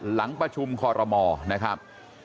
หลังประชุมคอรมอนะครับ